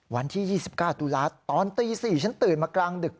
วันที่๒๙ตุลาตอนตี๔ฉันตื่นมากลางดึก